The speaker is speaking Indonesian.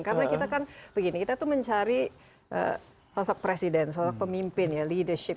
karena kita kan begini kita tuh mencari sosok presiden sosok pemimpin ya leadership